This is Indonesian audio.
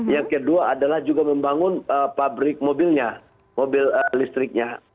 yang kedua adalah juga membangun pabrik mobilnya mobil listriknya